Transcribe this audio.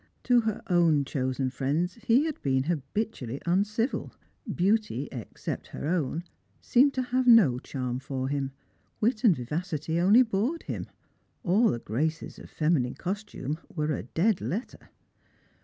To her own chosen friends he had been habitually uncivil— beauty, except her own, seemed to have no charm for him ; wit and vivacity only bored him. All the graces of feminine costume were a dead letter.